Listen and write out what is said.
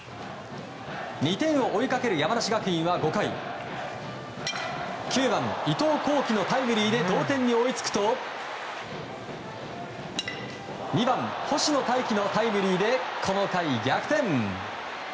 ２点を追いかける山梨学院は５回９番、伊藤光輝のタイムリーで同点に追いつくと２番、星野泰輝のタイムリーでこの回逆転。